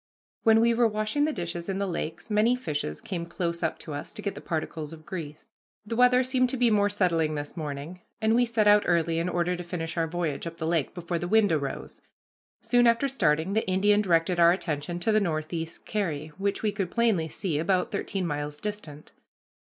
When we were washing the dishes in the lakes, many fishes came close up to us to get the particles of grease. The weather seemed to be more settled this morning, and we set out early in order to finish our voyage up the lake before the wind arose. Soon after starting, the Indian directed our attention to the Northeast Carry, which we could plainly see, about thirteen miles distant.